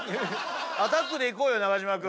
アタックでいこうよ中島君。